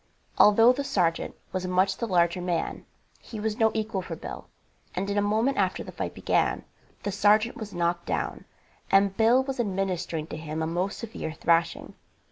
Although the sergeant was much the larger man, he was no equal for Bill, and in a moment after the fight began the sergeant was knocked down, and Bill was administering to him a most severe thrashing.